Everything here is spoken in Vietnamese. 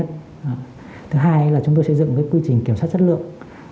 thứ hai là chúng tôi xây dựng cái quy trình kiểm soát chất lượng